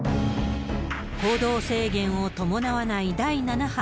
行動制限を伴わない第７波。